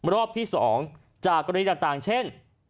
รอบที่๒จากกรณีต่างเช่น